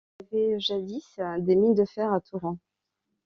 Il y avait jadis des mines de fer à Thorrent.